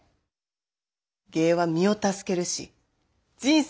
芸は身を助けるし人生楽しなる。